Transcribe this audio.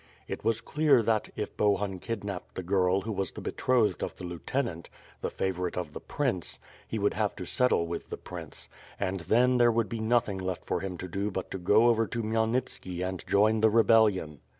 It was clear that, if Bohun kidnapped the girl who was the betrothed of the lieutenant, the favorite of the prince, he would have to settle with the prince; and then there would be nothing left for him to do but to go over to Khmyelnitski and join the rebellion.